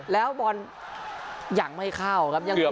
แล้วบอลยังไม่เข้าครับ